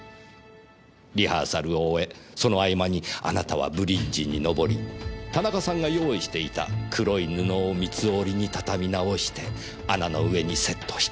リハーサルを終えその合間にあなたはブリッジに上り田中さんが用意していた黒い布を三つ折に畳み直して穴の上にセットした。